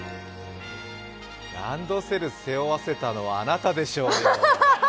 ランドセル背負わせたのはあなたでしょうよ。